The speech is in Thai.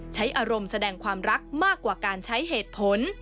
ใช้อารมณ์แสดงความรักมากกว่าการใช้เหตุผล